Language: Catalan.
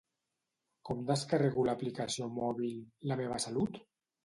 Com descarrego l'aplicació mòbil La meva salut?